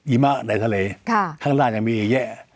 อีมะในทะเลข้างด้านยังมีอีแยะ